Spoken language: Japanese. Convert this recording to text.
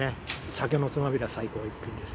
酒のつまみに最高の一品です。